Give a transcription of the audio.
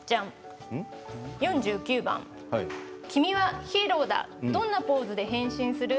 ４９番君はヒーローだ、どんなポーズで変身する？